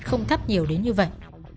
không thắp nhiều đến như vậy